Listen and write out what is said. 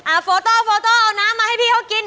อ่าโฟโตโฟโตเอาน้ำมาให้พี่เขากินน้อย